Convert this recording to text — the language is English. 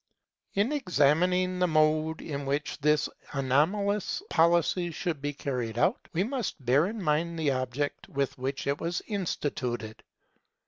In examining the mode in which this anomalous policy should be carried out, we must bear in mind the object with which it was instituted.